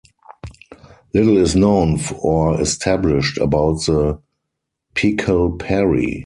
Little is known or established about the Pichal Peri.